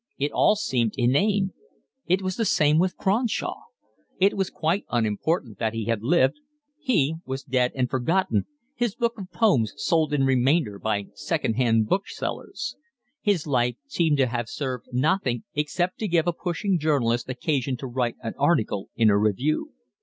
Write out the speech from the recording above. It all seemed inane. It was the same with Cronshaw: it was quite unimportant that he had lived; he was dead and forgotten, his book of poems sold in remainder by second hand booksellers; his life seemed to have served nothing except to give a pushing journalist occasion to write an article in a review.